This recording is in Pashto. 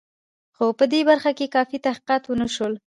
خو په دې برخه کې کافي تحقیقات ونه شول.